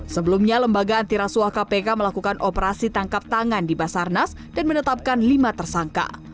sebelumnya lembaga antirasuah kpk melakukan operasi tangkap tangan di basarnas dan menetapkan lima tersangka